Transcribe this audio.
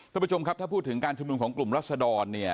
ท่านผู้ชมครับถ้าพูดถึงการชุมนุมของกลุ่มรัศดรเนี่ย